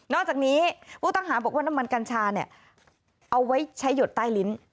จากนี้ผู้ต้องหาบอกว่าน้ำมันกัญชาเนี่ยเอาไว้ใช้หยดใต้ลิ้น